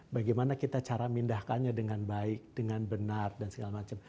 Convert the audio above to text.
bagaimana kita cara mindahkannya dengan baik dengan benar dan segala macam